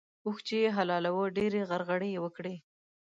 اوښ چې يې حلالوی؛ ډېرې غرغړې يې وکړې.